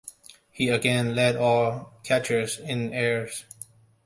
He again led all catchers in errors.